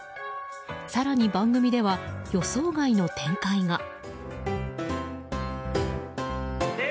更に番組では予想外の展開が。